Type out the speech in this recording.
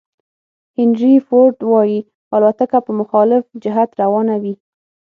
هینري فورد وایي الوتکه په مخالف جهت روانه وي.